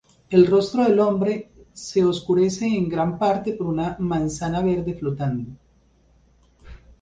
El rostro del hombre se oscurece en gran parte por una manzana verde flotando.